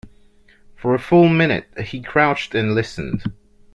For a full minute he crouched and listened.